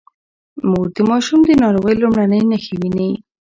مور د ماشوم د ناروغۍ لومړنۍ نښې ويني.